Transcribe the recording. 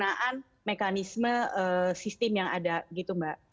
jadi itu adalah kesempurnaan mekanisme sistem yang ada gitu mbak